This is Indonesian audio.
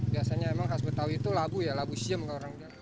biasanya emang khas betawi itu labu ya labu siem ke orang